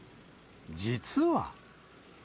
実は。